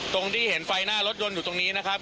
ตรงที่เห็นไฟหน้ารถยนต์อยู่ตรงนี้นะครับ